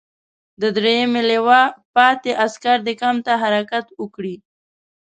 د دریمې لواء پاتې عسکر دې کمپ ته حرکت وکړي.